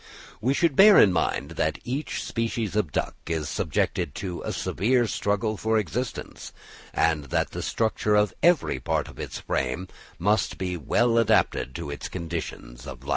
We should bear in mind that each species of duck is subjected to a severe struggle for existence, and that the structure of every part of its frame must be well adapted to its conditions of life.